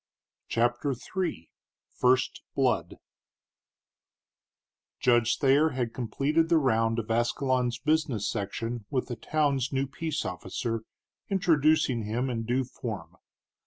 CHAPTER III FIRST BLOOD Judge Thayer had completed the round of Ascalon's business section with the town's new peace officer, introducing him in due form.